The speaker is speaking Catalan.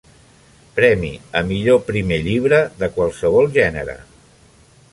Premi a millor primer llibre de qualsevol gènere.